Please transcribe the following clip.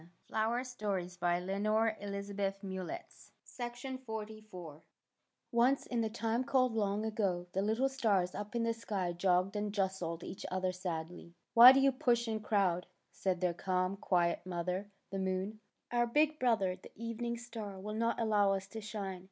THE SHOOTING STARS Once, in the time called long ago, the little stars up in the sky jogged and jostled each other sadly. *' Why do you push and crowd? '' said their calm, quiet mother, the moon. Our big brother, the evening star, will not allow us to shine!